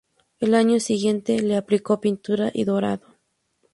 Al año siguiente le aplicó pintura y dorado.